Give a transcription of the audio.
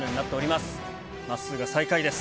まっすーが最下位です。